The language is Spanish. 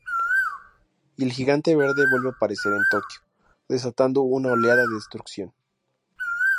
Y el gigante verde vuelve a aparecer en Tokio, desatando una oleada de destrucción.